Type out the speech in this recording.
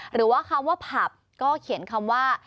หรือว่าคำว่าผับก็เขียนคำว่า